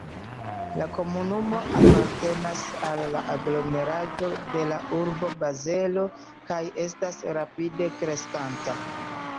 La komunumo apartenas al la aglomeraĵo de la urbo Bazelo kaj estas rapide kreskanta.